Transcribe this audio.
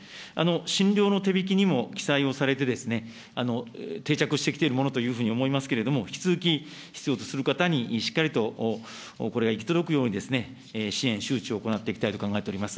診療の手引にも記載をされて、定着をしてきているものと思いますけれども、引き続き必要とする方にしっかりとこれが行き届くように、支援、周知を行っていきたいと考えております。